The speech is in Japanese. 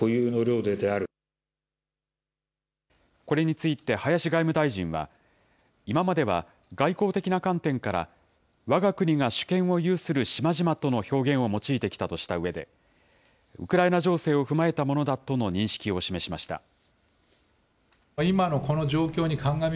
これについて林外務大臣は、今までは外交的な観点から、わが国が主権を有する島々との表現を用いてきたとしたうえで、ウクライナ情勢を踏まえたものだとの認識を示しました。